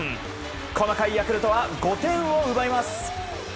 この回、ヤクルトは５点を奪います。